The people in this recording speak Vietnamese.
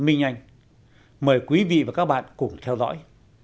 minh anh mời quý vị và các bạn cùng theo dõi